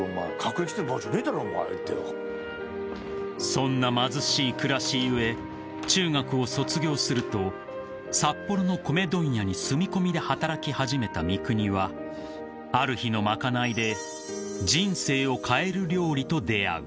［そんな貧しい暮らし故中学を卒業すると札幌の米問屋に住み込みで働き始めた三國はある日の賄いで］